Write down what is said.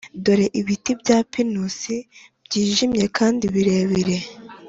dore ibiti bya pinusi byijimye kandi birebire,